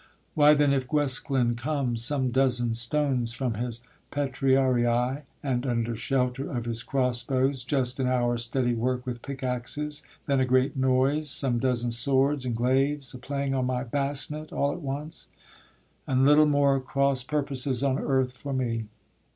Why then, if Guesclin comes; Some dozen stones from his petrariae, And, under shelter of his crossbows, just An hour's steady work with pickaxes, Then a great noise some dozen swords and glaives A playing on my basnet all at once, And little more cross purposes on earth For me.